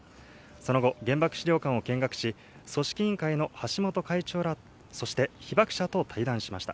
その後、原爆資料館を見学し、組織委員長の橋本会長、そして被爆者と会談しました。